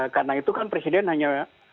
karena itu kan presiden hanya